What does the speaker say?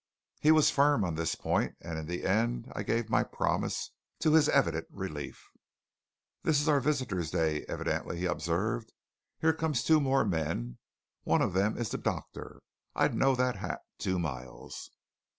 He was firm on this point; and in the end I gave my promise, to his evident relief. "This is our visitors' day, evidently," he observed. "Here come two more men. One of them is the doctor; I'd know that hat two miles."